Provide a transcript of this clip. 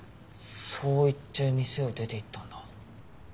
そう言って店を出て行ったんだ。